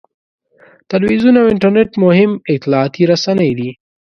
تلویزیون او انټرنېټ مهم اطلاعاتي رسنۍ دي.